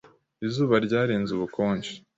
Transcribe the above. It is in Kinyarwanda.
Izuba ryarenze ubukonje.